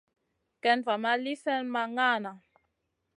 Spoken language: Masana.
Kay va ma li slèhna ma ŋahna.